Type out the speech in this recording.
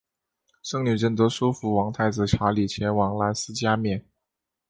圣女贞德说服王太子查理前往兰斯加冕。